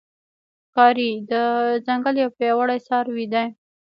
ښکاري د ځنګل یو پیاوړی څاروی دی.